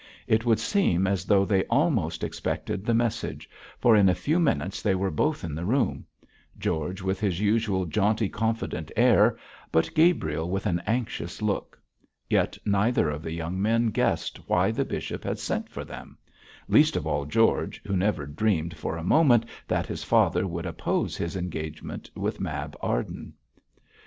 It would seem as though they almost expected the message, for in a few minutes they were both in the room; George, with his usual jaunty, confident air, but Gabriel with an anxious look. Yet neither of the young men guessed why the bishop had sent for them; least of all George, who never dreamed for a moment that his father would oppose his engagement with Mab Arden.